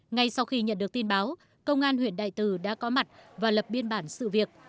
ngay sau khi nhận được tin báo công an huyện đại từ đã có mặt và lập biên bản sự việc